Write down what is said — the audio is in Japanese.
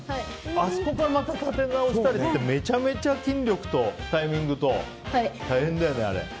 あそこから、また立て直したりってめちゃめちゃ筋力とタイミングと大変だよね、あれ。